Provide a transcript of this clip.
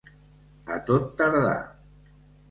A tot tardar.